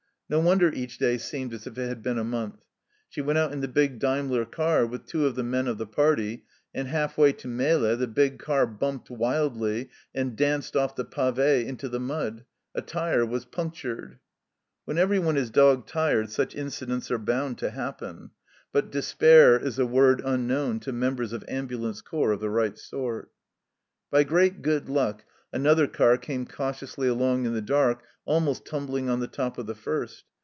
No wonder each day seemed as if it had been a month ! She went out in the big Daimler car with two of the men of the party, and half way to Melle the big car bumped wildly and danced off the pave into the mud ; a tyre was punctured ! When everyone is dog tired such incidents are bound to happen, but despair is a word unknown to mem bers of ambulance corps of the right sort. By great good luck another oar came cautiously along in the dark, almost tumbling on the top of the first.